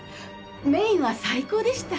メインは最高でした。